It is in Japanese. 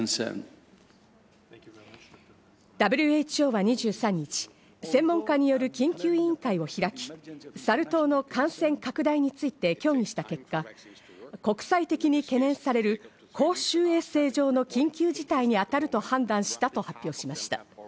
ＷＨＯは２３日、専門家による緊急委員会を開き、サル痘の感染拡大について協議した結果、国際的に懸念される公衆衛生上の緊急事態に当たると判断したと発表しました。